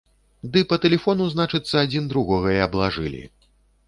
Ды па тэлефону, значыцца, адзін другога і аблажылі!